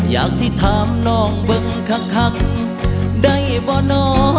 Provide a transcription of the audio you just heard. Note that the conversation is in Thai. อยากสิถามน้องเบิ้งคักได้บ่นอ